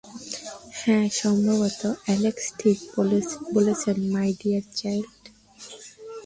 হ্যাঁ, সম্ভবত, অ্যালেক্স ঠিক বলেছেন, মাই ডিয়ার চাইল্ড।